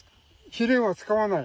肥料は使わない。